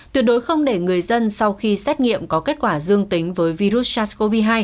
tuyệt đối không để người dân sau khi xét nghiệm có kết quả dương tính với virus sars cov hai